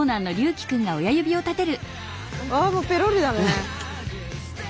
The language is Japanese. ああもうペロリだね！